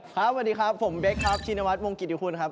สวัสดีครับผมเบคครับชินวัฒนวงกิติคุณครับ